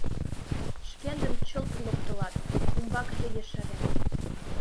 — Шкендым чылт локтылат, — умбакыже ешарен.